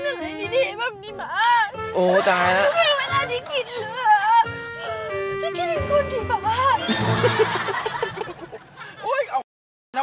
แล้วไหนล่ะนี่ออตะกอร์หรือเปล่านี่ไงถึงแล้วนี่